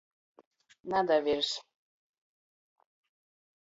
Nadavirs.